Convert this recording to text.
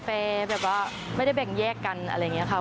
แบบว่าไม่ได้แบ่งแยกกันอะไรอย่างนี้ค่ะ